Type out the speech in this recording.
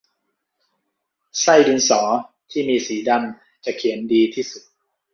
ไส้ดินสอที่มีสีดำจะเขียนดีที่สุด